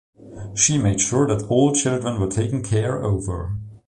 She made sure that all children were taken care over.